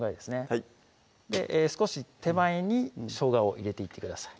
はい少し手前にしょうがを入れていってください